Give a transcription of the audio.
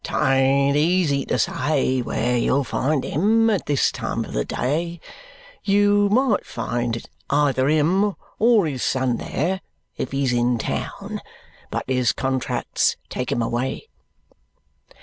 "Tain't easy to say where you'd find him at this time of the day you might find either him or his son there, if he's in town; but his contracts take him away."